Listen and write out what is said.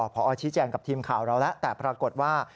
พอชี้แจงกับทีมข่าวเราแล้วแต่ปรากฏว่า